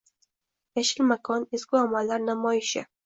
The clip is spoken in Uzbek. \Yashil makon\": ezgu amallar namoyishing"